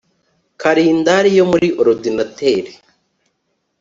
Kalendari yo muri orudinateri